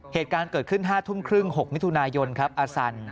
เหตุการณ์เกิดขึ้น๕ทุ่มครึ่ง๖มิถุนายนครับอาสัน